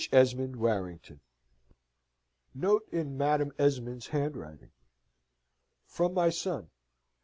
ESMOND WARRINGTON." Note in Madam Esmond's Handwriting, "From my son.